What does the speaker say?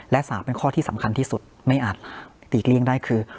และ๓เป็นข้อที่สำคัญที่สุดไม่อาจหลีกเลี่ยงได้คือ